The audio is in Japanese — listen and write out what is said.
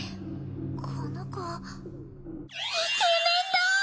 この子イケメンだ